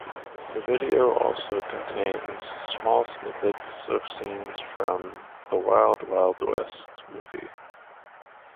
The video also contains small snippets of scenes from the "Wild Wild West" movie.